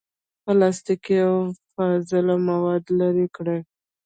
پلاستیک، او فاضله مواد لرې کړي.